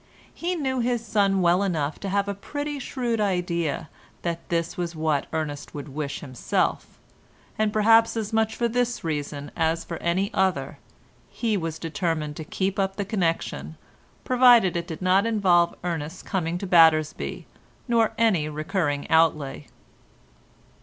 He knew his son well enough to have a pretty shrewd idea that this was what Ernest would wish himself, and perhaps as much for this reason as for any other he was determined to keep up the connection, provided it did not involve Ernest's coming to Battersby nor any recurring outlay.